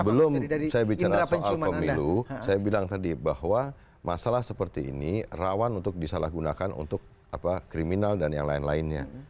sebelum saya bicara soal pemilu saya bilang tadi bahwa masalah seperti ini rawan untuk disalahgunakan untuk kriminal dan yang lain lainnya